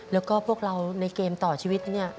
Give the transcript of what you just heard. แล้วก็พวกเราในเกมต่อชีวิตเนี่ย